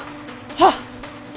はっ。